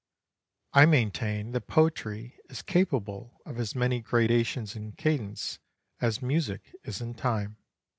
I maintain that poetry is capable of as many gradations in cadence as music is in time.